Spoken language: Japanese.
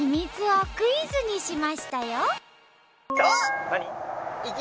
はい。